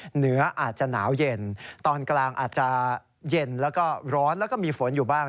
เหนืออาจจะหนาวเย็นตอนกลางอาจจะเย็นแล้วก็ร้อนแล้วก็มีฝนอยู่บ้าง